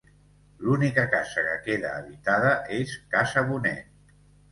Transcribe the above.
L'única casa que queda habitada és Casa Bonet.